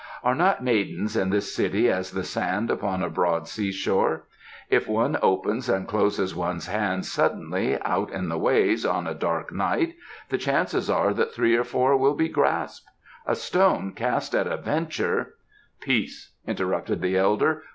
"Are not maidens in this city as the sand upon a broad seashore? If one opens and closes one's hands suddenly out in the Ways on a dark night, the chances are that three or four will be grasped. A stone cast at a venture " "Peace!" interrupted the elder.